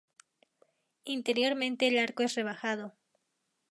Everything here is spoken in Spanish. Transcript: Interiormente el arco es rebajado.